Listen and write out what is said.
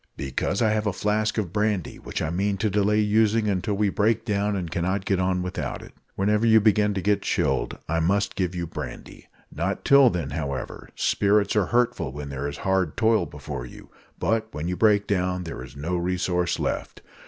"Because I have a flask of brandy, which I mean to delay using until we break down and cannot get on without it. Whenever you begin to get chilled I must give you brandy. Not till then, however; spirits are hurtful when there is hard toil before you, but when you break down there is no resource left.